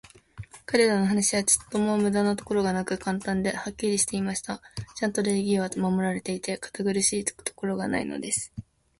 彼等の話は、ちょっとも無駄なところがなく、簡単で、はっきりしていました。ちゃんと礼儀は守られていて、堅苦しいところがないのです。